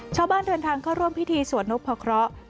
ชาวบ้านเดินทางเข้าร่วมพิธีสวดนกพระเคราะห์